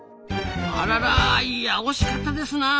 あららいや惜しかったですなあ。